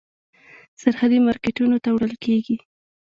سرحدي مارکېټونو ته وړل کېږي.